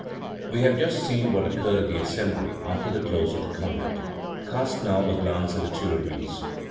We have just seen what occurred at the Assembly after the close of the combat. Cast now a glance at the Tuileries.